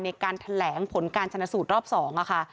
ในการแถลงผลการชนะสูตรรอบ๒ค่ะ